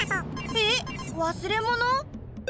えっわすれもの？